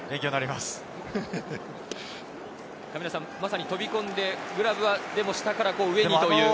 まさに飛び込んでグラブは下から上にという。